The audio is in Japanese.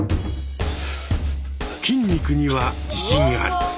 筋肉には自信あり！